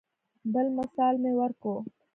بل مثال مې ورکو.